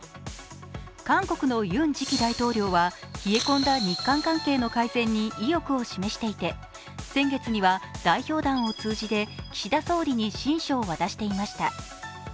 韓国のユン次期大統領は冷え込んだ日韓関係の改善に意欲を示していて、先月には代表団を通じて岸田総理に親書を渡していました。